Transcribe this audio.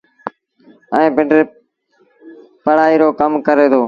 ائيٚݩ پنڊري پڙهئيٚ رو ڪم ڪري دو